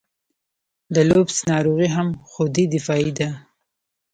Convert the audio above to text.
د لوپس ناروغي هم خودي دفاعي ده.